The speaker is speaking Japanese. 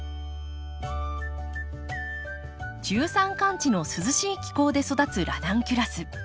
中山間地の涼しい気候で育つラナンキュラス。